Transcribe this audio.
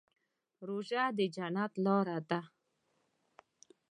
روژه د جنت لاره ده.